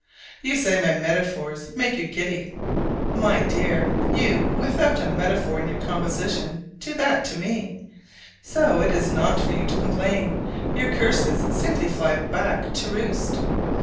You say my metaphors make you giddy. My clear, you, without a metaphor in your composition, do that to me! So it is not for you to complain; your curses simply fly back to roost.